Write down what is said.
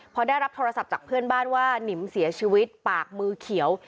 พอได้รับโทรศัพท์จากเพื่อนบ้านว่านิมเสียชีวิตปากมือเขียว